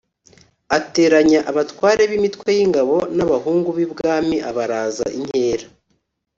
ateranya abatware b'imitwe y' ingabo n'abahungu b'ibwami abaraza inkera